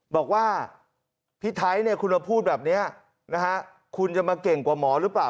บอกว่าพี่ไทยคุณมาพูดแบบนี้คุณจะมาเก่งกว่าหมอหรือเปล่า